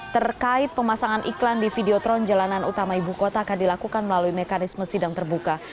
terkait pemasangan iklan di videotron jalanan utama ibu kota akan dilakukan melalui mekanisme sidang terbuka